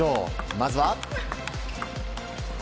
まずは。